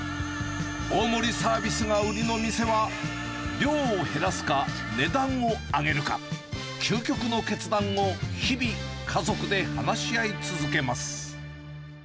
大盛りサービスが売りの店は、量を減らすか、値段を上げるか、究極の決断を日々、家族で話し合い続けます。